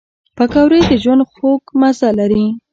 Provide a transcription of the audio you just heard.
پکورې د ژوند خوږ مزه لري